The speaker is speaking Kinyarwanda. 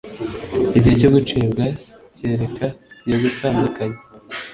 igihe cyo gucibwa kereka iyo gutandukanya